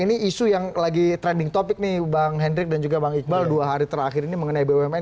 ini isu yang lagi trending topic nih bang hendrik dan juga bang iqbal dua hari terakhir ini mengenai bumn